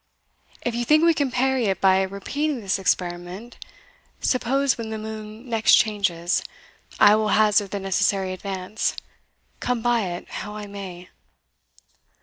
If you think we can parry it by repeating this experiment suppose when the moon next changes, I will hazard the necessary advance, come by it how I may."